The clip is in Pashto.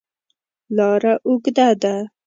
لاره اوږده ده.